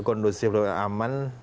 kondusif dan aman